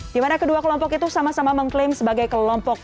di mana kedua kelompok itu sama sama mengklaim sebagai kelompok